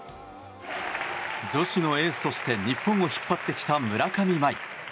女子のエースとして日本を引っ張ってきた村上茉愛。